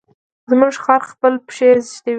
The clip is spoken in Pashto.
زموږ خر خپلې پښې ږدوي.